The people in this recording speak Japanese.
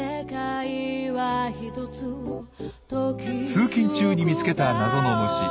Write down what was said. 通勤中に見つけた謎の虫。